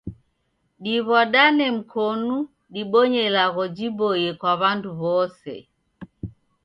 Ditw'adane mkonu dibonye ilagho jiboie kwa w'andu w'ose